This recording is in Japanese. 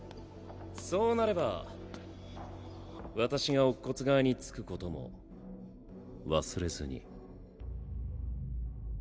そうなれば私が乙骨側に付くことも忘れずに。